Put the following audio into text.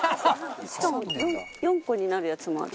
しかも４個になるやつもある。